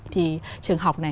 thì trường học này